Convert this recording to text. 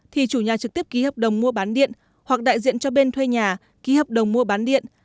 thì chủ nhà trực tiếp ký hợp đồng mua bán điện hoặc đại diện cho bên thuê nhà ký hợp đồng mua bán điện